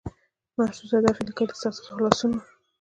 محسوس هدف یې له کلیسا څخه خلاصون و.